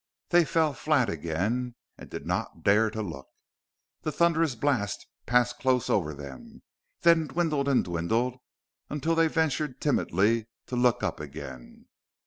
They fell flat again, and did not dare to look. The thunderous blast passed close over them, then dwindled and dwindled, until they ventured timidly to look up again.